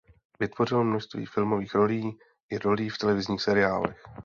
Vytvořil množství filmových rolí i rolí v televizních seriálech.